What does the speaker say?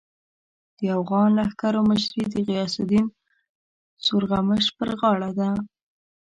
د اوغان لښکرو مشري د غیاث الدین سورغمش پر غاړه ده.